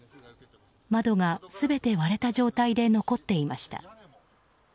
窓が全て割れた状態で残っていました。